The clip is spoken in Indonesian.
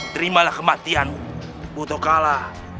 terimalah kematianmu buta kala